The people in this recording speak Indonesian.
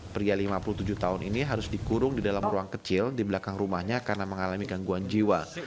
pria lima puluh tujuh tahun ini harus dikurung di dalam ruang kecil di belakang rumahnya karena mengalami gangguan jiwa